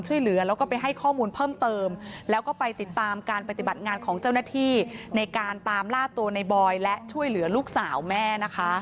ช่วยเหลือแล้วก็ไปให้ข้อมูลเพิ่มเติมแล้วก็ไปติดตามการปฏิบัติงานของเจ้าหน้าที่ในการตามล่าตัวในบอยและช่วยเหลือลูกสาวแม่นะคะ